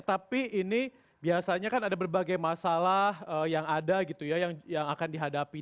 tapi ini biasanya kan ada berbagai masalah yang ada gitu ya yang akan dihadapi